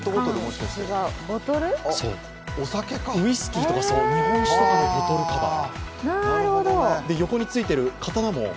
ウイスキーとか、日本酒とかのボトルカバー。